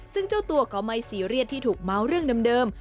ซึ่งเจ้าตัวก็ไม่ซีเรียสที่ถูกเมาส์เรื่องเดิม